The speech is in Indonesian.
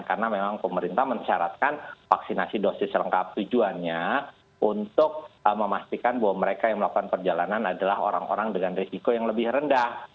karena memang pemerintah mensyaratkan vaksinasi dosis lengkap tujuannya untuk memastikan bahwa mereka yang melakukan perjalanan adalah orang orang dengan risiko yang lebih rendah